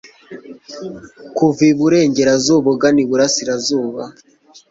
kuva iburengerazuba ugana iburasirazuba